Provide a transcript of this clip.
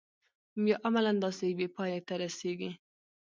یا عملاً داسې یوې پایلې ته رسیږي.